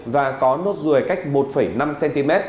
và có nốt ruồi cách một năm cm